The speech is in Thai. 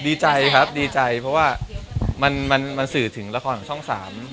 ดีใจครับดีใจเพราะว่ามันสื่อถึงละครของช่อง๓